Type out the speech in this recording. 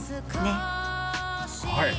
はい！